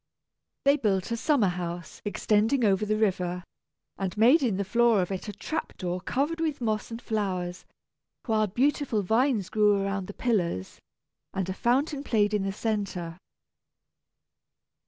They built a summer house extending over the river, and made in the floor of it a trap door covered with moss and flowers, while beautiful vines grew around the pillars, and a fountain played in the centre.